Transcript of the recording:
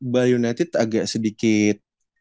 bali united agak sedikit